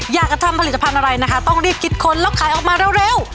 อยากจะทำผลิตภัณฑ์อะไรนะคะต้องรีบคิดค้นแล้วขายออกมาเร็ว